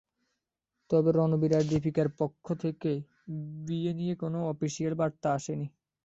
তবে রণবীর আর দীপিকার পক্ষ থেকে বিয়ে নিয়ে কোনো অফিশিয়াল বার্তা আসেনি।